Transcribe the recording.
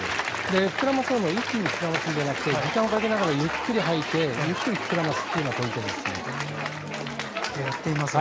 膨らますのも一気に膨らますんじゃなくて時間をかけながらゆっくり吐いてゆっくり膨らませるのがポイントですね。